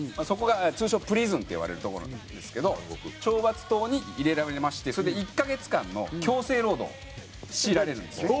そこが通称プリズンっていわれる所なんですけど懲罰棟に入れられましてそれで１カ月間の強制労働を強いられるんですね。